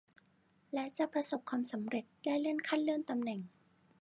และจะประสบความสำเร็จได้เลื่อนขั้นเลื่อนตำแหน่ง